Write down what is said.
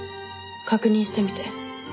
確認してみて。